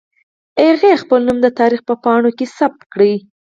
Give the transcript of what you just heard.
هغې خپل نوم د تاریخ په پاڼو کې ثبت کړ